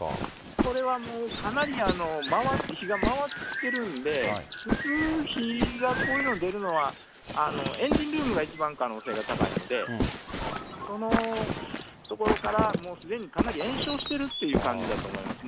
これはもう、かなり火が回っているんで、普通、火がこういうふうに出るのは、エンジンルームが一番可能性が高いので、その所からすでにかなり延焼しているという感じだと思いますね。